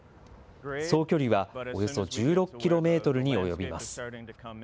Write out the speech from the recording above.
総距離はおよそ１６キロメートルに及びます。